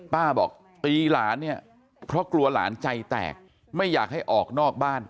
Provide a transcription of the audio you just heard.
ป้าบอกตีหลานเนี่ยเพราะกลัวหลานใจแตกไม่อยากให้ออกนอกบ้าน